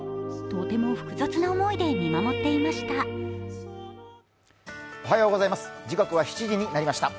とても複雑な思いで見守っていました。